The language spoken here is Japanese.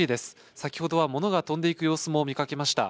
先ほどは物が飛んでいく様子も見かけました。